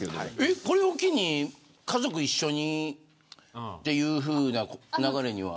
これを機に家族一緒にというふうには。